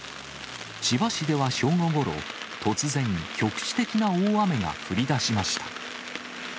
千葉市では正午ごろ、突然、局地的な大雨が降りだしました。